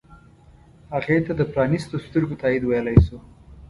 هغې ته د پرانیستو سترګو تایید ویلی شو.